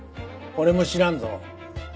俺も知らんぞ。